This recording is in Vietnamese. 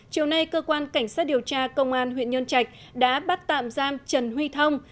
chiều nay cơ quan cảnh sát điều tra công an huyện nhân trạch đã bắt tạm giam trần huy thông